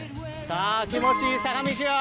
さぁ気持ちいい坂道よ。